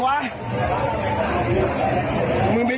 รู้จักกูดี